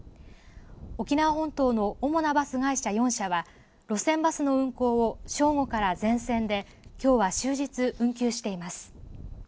沖縄本島の主なバス会社４社は路線バスの運行を兵庫から全線できょうは終日運休しています。